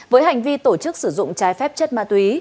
với hành vi tổ chức sử dụng trái phép chất ma túy